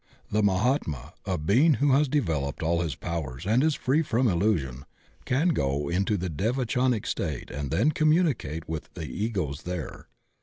The Mahatma, a being who has developed all his powers and is free from illusion, can go into the devachanic state and then communicate with the Egos there.